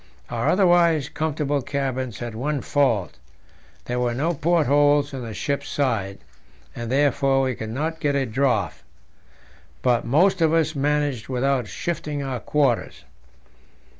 Our otherwise comfortable cabins had one fault; there were no portholes in the ship's side, and therefore we could not get a draught; but most of us managed without shifting our quarters.